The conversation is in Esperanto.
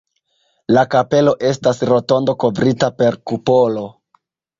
La kapelo estas rotondo kovrita per kupolo.